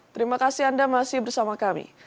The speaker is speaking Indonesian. terima kasih anda masih bersama kami